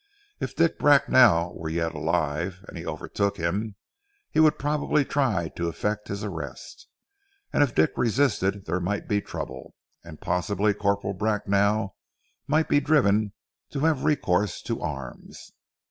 If Dick Bracknell were yet alive and he overtook him, he would probably try to effect his arrest, and if Dick resisted there might be trouble, and possibly Corporal Bracknell might be driven to have recourse to arms.